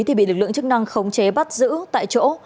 thì bị lực lượng chức năng khống chế bắt giữ tại chỗ